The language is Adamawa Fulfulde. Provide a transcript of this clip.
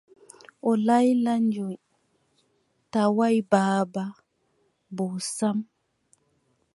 O laylanyoy, tawaay baaba boo sam ;